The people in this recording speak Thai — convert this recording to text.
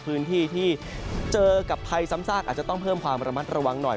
พื้นที่ที่เจอกับภัยซ้ำซากอาจจะต้องเพิ่มความระมัดระวังหน่อย